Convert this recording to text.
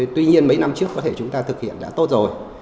tuy nhiên mấy năm trước có thể chúng ta thực hiện đã tốt rồi